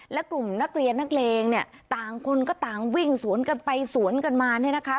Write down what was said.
และกลุ่มนักเรียนนักเลงเนี่ยต่างคนก็ต่างวิ่งสวนกันไปสวนกันมาเนี่ยนะคะ